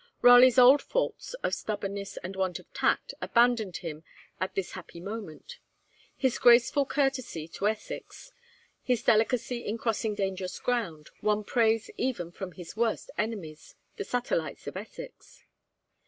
Raleigh's old faults of stubbornness and want of tact abandoned him at this happy moment. His graceful courtesy to Essex, his delicacy in crossing dangerous ground, won praise even from his worst enemies, the satellites of Essex.